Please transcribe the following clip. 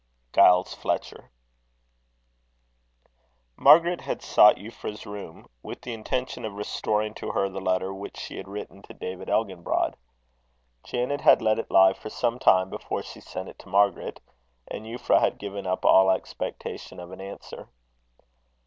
GILES FLETCHER. Margaret had sought Euphra's room, with the intention of restoring to her the letter which she had written to David Elginbrod. Janet had let it lie for some time before she sent it to Margaret; and Euphra had given up all expectation of an answer.